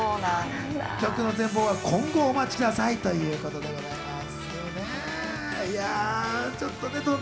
曲の全貌は今後お待ちくださいということです。